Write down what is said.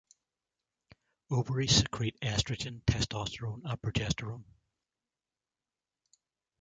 Ovaries secrete estrogen, testosterone and progesterone.